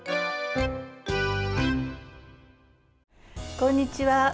こんにちは。